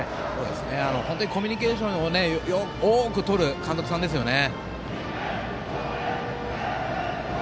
本当にコミュニケーションを多くとる監督さんですよね。